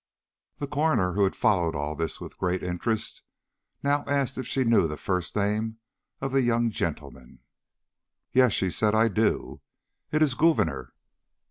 The coroner, who had followed all this with the greatest interest, now asked if she knew the first name of the young gentleman. "Yes," said she, "I do. It is Gouverneur."